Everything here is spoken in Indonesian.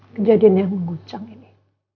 kejadian yang mengguncang ini